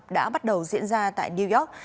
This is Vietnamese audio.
đã bắt đầu diễn ra tại new york